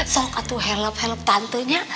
sok atuh help help tantenya